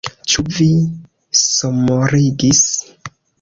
Ĉu vi somorigis?